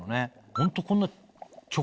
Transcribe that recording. ホントこんな。